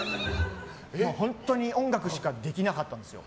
本当に音楽しかできなかったんですよ。